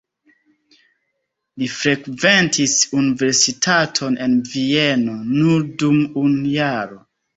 Li frekventis universitaton en Vieno nur dum unu jaro.